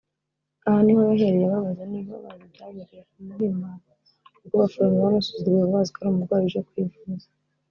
Aho niho yahereye ababaza niba bazi ibyabereye ku Muhima ubwo abaforomo bamusuzuguraga bazi ko ari umurwayi uje kwivuza